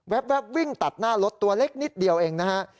วิ่งตัดหน้ารถตัวเล็กนิดเดียวเองนะฮะ